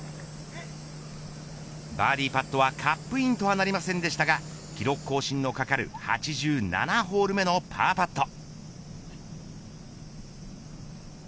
バーディーパットはカップインとはなりませんでしたが記録更新のかかる８７ホール目のパーパット。